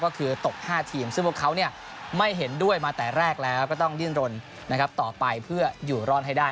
ก็คือตก๕ทีมซึ่งพวกเขาไม่เห็นด้วยมาแต่แรกแล้วก็ต้องดิ้นรนต่อไปเพื่ออยู่รอดให้ได้